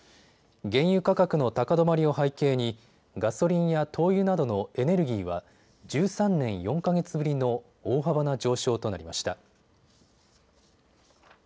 原油価格の高止まりを背景にガソリンや灯油などのエネルギーは１３年４か月ぶりの大幅な上昇となりました。